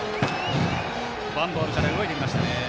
ワンボールから動いてきました。